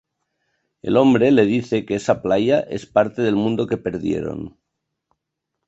El hombre le dice que esa playa es parte del mundo que perdieron.